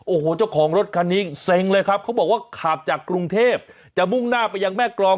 โอ้โหเจ้าของรถคันนี้เซ็งเลยครับเขาบอกว่าขับจากกรุงเทพจะมุ่งหน้าไปยังแม่กรอง